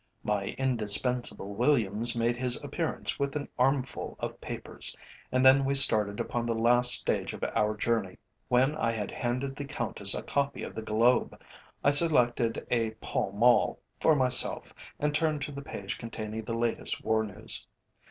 My indispensable Williams made his appearance with an armful of papers, and then we started upon the last stage of our journey. When I had handed the Countess a copy of the Globe, I selected a Pall Mall for myself, and turned to the page containing the latest war news.